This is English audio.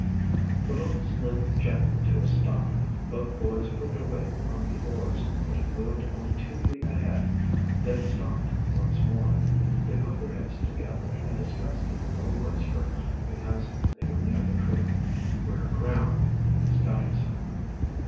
The boat slid gently to a stop. Both boys put their weight on the oars, but it moved only two feet ahead then stopped once more. They put their heads together and discussed it in a low whisper because they were near the creek. "We're aground," Scotty said.